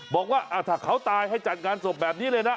บอกว่าถ้าเขาตายให้จัดงานศพแบบนี้เลยนะ